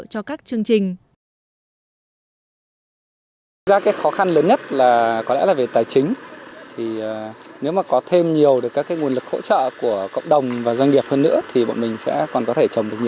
cho các chương trình